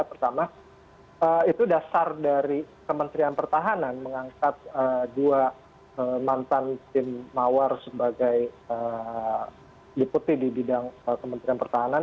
pertama itu dasar dari kementerian pertahanan mengangkat dua mantan tim mawar sebagai diputi di bidang kementerian pertahanan